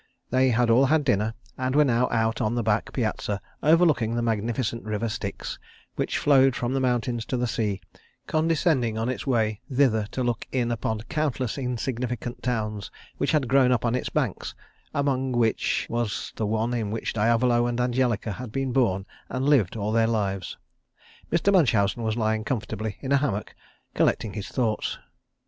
They had all had dinner, and were now out on the back piazza overlooking the magnificent river Styx, which flowed from the mountains to the sea, condescending on its way thither to look in upon countless insignificant towns which had grown up on its banks, among which was the one in which Diavolo and Angelica had been born and lived all their lives. Mr. Munchausen was lying comfortably in a hammock, collecting his thoughts.